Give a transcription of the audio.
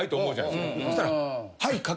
はい。